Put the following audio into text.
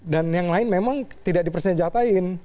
dan yang lain memang tidak dipersenjatain